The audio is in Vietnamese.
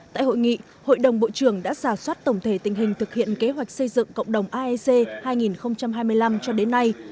tại hội nghị hội đồng bộ trưởng đã giả soát tổng thể tình hình thực hiện kế hoạch xây dựng cộng đồng aec hai nghìn hai mươi năm cho đến nay